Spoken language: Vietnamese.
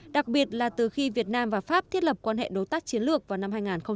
đặc biệt là từ khi việt nam và pháp thiết lập quan hệ đối tác chiến lược vào năm hai nghìn một mươi